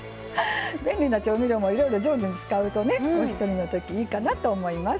便利な調味料もいろいろ上手に使うとねお一人のときいいかなと思います。